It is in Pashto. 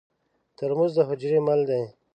ترموز د حجرې مل دی.